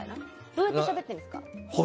どうやってしゃべってるんですか？